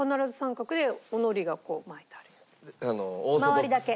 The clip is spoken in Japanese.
周りだけ。